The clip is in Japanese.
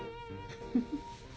フフ。